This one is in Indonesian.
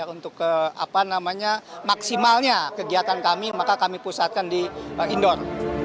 untuk maksimalnya kegiatan kami maka kami pusatkan di indon